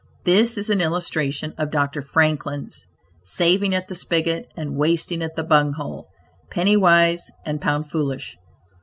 This is an illustration of Dr. Franklin's "saving at the spigot and wasting at the bung hole;" "penny wise and pound foolish."